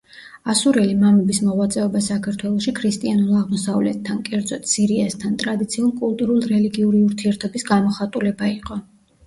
ასურელი მამების მოღვაწეობა საქართველოში ქრისტიანულ აღმოსავლეთთან, კერძოდ, სირიასთან, ტრადიციულ კულტურულ-რელიგიური ურთიერთობის გამოხატულება იყო.